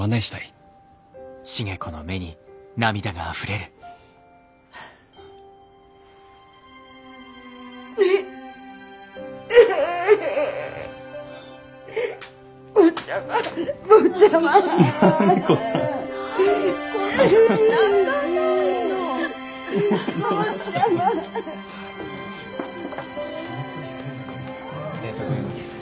ありがとうございます。